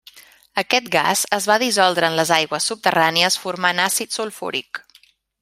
Aquest gas es va dissoldre en les aigües subterrànies formant àcid sulfúric.